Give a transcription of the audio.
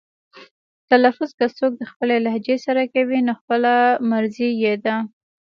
تلفظ که څوک د خپلې لهجې سره کوي نو خپله مرزي یې ده.